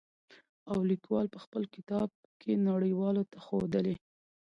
او ليکوال په خپل کتاب کې نړۍ والو ته ښودلي.